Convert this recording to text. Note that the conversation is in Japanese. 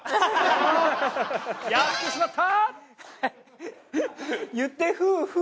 やってしまった！